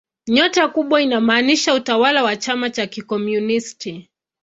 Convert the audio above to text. Nyota kubwa inamaanisha utawala wa chama cha kikomunisti.